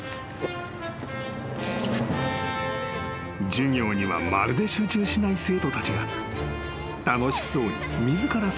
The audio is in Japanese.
［授業にはまるで集中しない生徒たちが楽しそうに自ら作業を手伝っていた］